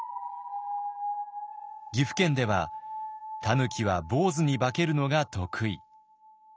岐阜県では狸は坊主に化けるのが得意。